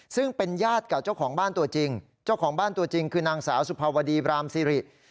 ซึ่งเป็นญาติกับเจ้าของบ้านตัวจริงเจ้าของบ้านตัวจริงคือนางสาวสุภาวดีบรามซิริ